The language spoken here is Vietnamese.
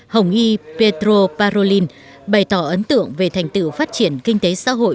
hồng y petro parolin bày tỏ ấn tượng về thành tựu phát triển kinh tế xã hội